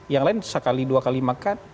yang lain sekali dua kali makan